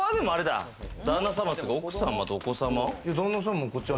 旦那様というか、奥様とお子様。